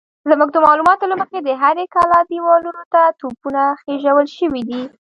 زموږ د معلوماتو له مخې د هرې کلا دېوالونو ته توپونه خېژول شوي دي.